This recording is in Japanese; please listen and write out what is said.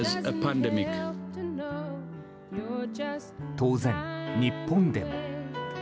当然、日本でも。